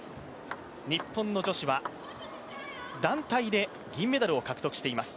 日本の女子は団体で銀メダルを獲得しています。